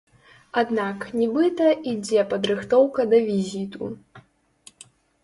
Аднак, нібыта, ідзе падрыхтоўка да візіту.